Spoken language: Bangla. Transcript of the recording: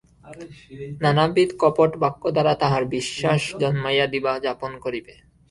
নানাবিধ কপট বাক্য দ্বারা তাহার বিশ্বাস জন্মাইয়া দিবা যাপন করিবে।